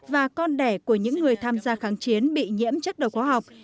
và con đẻ của những người tham gia kháng chiến bị nhiễm chất độc hóa học